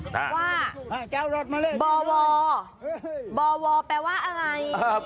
ว่าบอวอบอวอแปลว่าอะไร